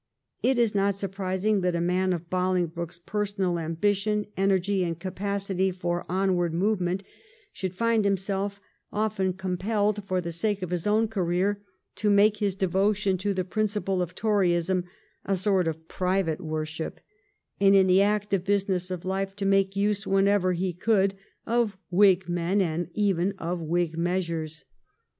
It is not surprising that a man of Bolingbroke's personal am bition, energy, and capacity for onward movement should find himself often compelled, for the sake of his own career, to make his devotion to the principle of Toryism a sort of private worship, and in the active business of life to make use whenever he could of Whig men and even of Whig measures.